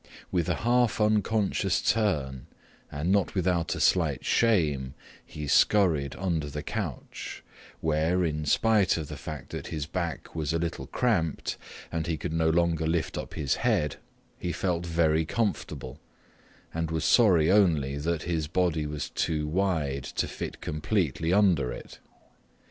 With a half unconscious turn and not without a slight shame he scurried under the couch, where, in spite of the fact that his back was a little cramped and he could no longer lift up his head, he felt very comfortable and was sorry only that his body was too wide to fit completely under it.